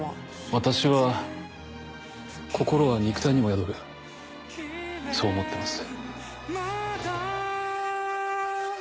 心は肉体にも宿るそう思ってます。